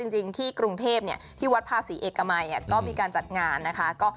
จริงที่กรุงเทพที่วัดภาษีเอกมัยก็มีการจัดงานนะคะ